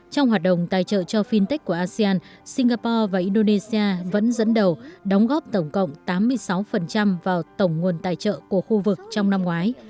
trong hoạt động tài trợ cho fintech của asean singapore và indonesia vẫn dẫn đầu đóng góp tổng cộng tám mươi sáu vào tổng nguồn tài trợ của khu vực trong năm ngoái